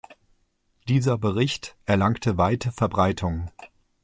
Dieser Bericht erlangte weite Verbreitung.